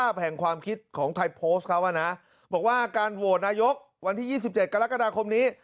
บอกว่าการโหวตนายกวันที่๒๗กรกฎาคมนี้